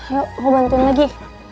yuk aku bantuin lagi